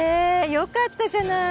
よかったじゃない。